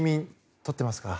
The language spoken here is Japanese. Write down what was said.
取ってますか。